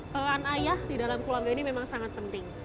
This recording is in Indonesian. peran ayah di dalam keluarga ini memang sangat penting